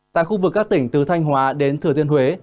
tại khu vực các tỉnh từ thanh hóa đến thừa thiên huế